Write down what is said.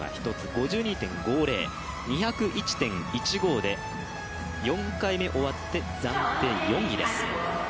５２．５０、２０１．１５で４回目終わって暫定４位です。